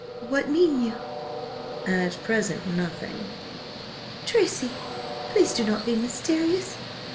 What mean you?" "At present, nothing." "Tracy, please do not be mysterious!